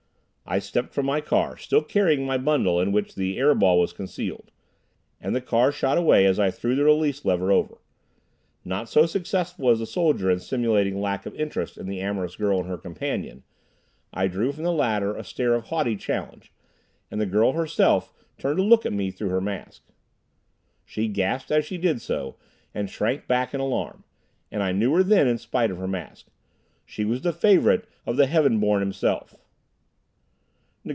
I stepped from my car, still carrying my bundle in which the "air ball" was concealed, and the car shot away as I threw the release lever over. Not so successful as the soldier in simulating lack of interest in the amorous girl and her companion, I drew from the latter a stare of haughty challenge, and the girl herself turned to look at me through her mask. She gasped as she did so, and shrank back in alarm. And I knew her then in spite of her mask. She was the favorite of the Heaven Born himself.